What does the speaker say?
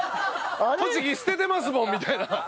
「栃木捨ててますもん」みたいな。